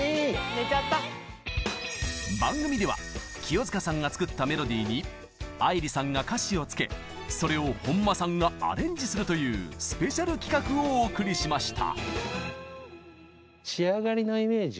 番組では清塚さんが作ったメロディーに愛理さんが歌詞を付けそれを本間さんがアレンジするというスペシャル企画をお送りしました！